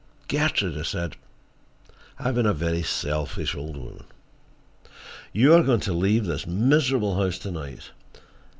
"Gertrude," I said, "I have been a very selfish old woman. You are going to leave this miserable house to night.